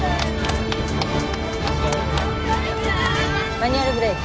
マニュアルブレーキ。